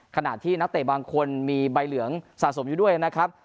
ขณะที่นักเตะบางคนมีใบเหลืองสะสมอยู่ด้วยนะครับ